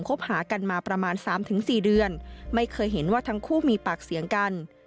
คบหากันมาประมาณ๓๔เดือนไม่เคยเห็นว่าทั้งคู่มีปากเสียงกัน